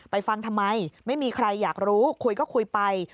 ฟังทำไมไม่มีใครอยากรู้คุยก็คุยไป